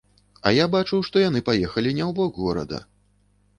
А я бачу, што яны паехалі не ў бок горада.